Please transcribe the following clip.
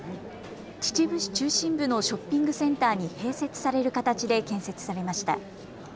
秩父市中心部のショッピングセンターに併設される形で建設されました。